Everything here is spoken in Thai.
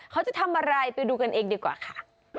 เขาจะทำอะไรไปดูกันเองดีกว่าค่ะ